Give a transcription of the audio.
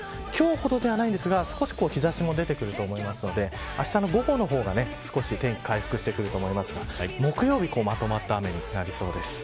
今日ほどではないんですが少し日差しも出てくると思うのであしたの午後の方が少し天気回復してくると思いますが木曜日以降まとまった雨になりそうです。